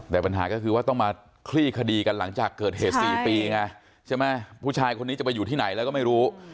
แต่ปัญหาก็คือว่าต้องมาคลี่คดีกันหลังจากเกิดเหตุ๔ปีไงใช่ไหมผู้ชายคนนี้จะไปอยู่ที่ไหนแล้วก็ไม่รู้